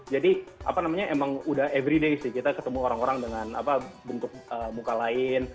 jadi emang udah everyday sih kita ketemu orang orang dengan bentuk muka lain